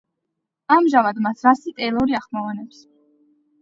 ამჟამად მას რასი ტეილორი ახმოვანებს.